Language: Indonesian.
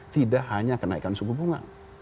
tidak hanya kenaikan suku bunga